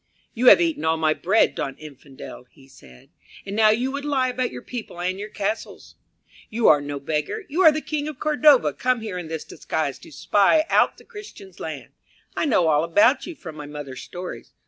"You have eaten all my bread, don Infidel," he said, "and now you would lie about your people and your castles. You are no beggar; you are the King of Cordova come here in this disguise to spy out the Christian's land. I know all about you from my mother's stories.